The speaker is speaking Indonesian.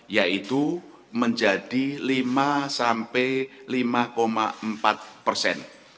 yaitu menjadi lima sampai lima empat persen